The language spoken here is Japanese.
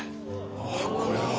ああこれは。